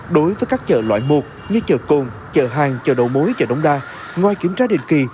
đối với các chợ loại một như chợ cồn chợ hàng chợ đầu mối chợ đống đa ngoài kiểm tra định kỳ